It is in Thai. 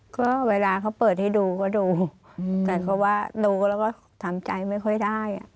ก็เวลาเขาเปิดให้ดูก็ดูแต่เขาว่าดูแล้วก็ทำใจไม่ค่อยได้